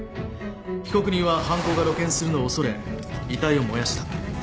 被告人は犯行が露見するのを恐れ遺体を燃やした。